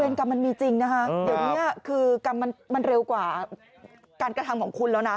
เป็นกรรมมันมีจริงนะคะเดี๋ยวนี้คือกรรมมันเร็วกว่าการกระทำของคุณแล้วนะ